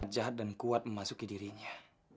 jahat dan kuat memasuki dirinya